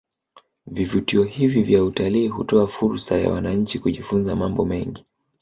Vivutio hivi vya utalii hutoa fursa ya wananchi kujifunza mambo mengi